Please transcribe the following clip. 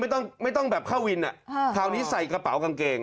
ไม่ต้องไม่ต้องแบบเข้าวินอ่ะคราวนี้ใส่กระเป๋ากางเกง